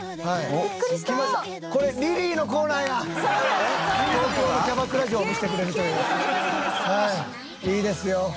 「はいいいですよ」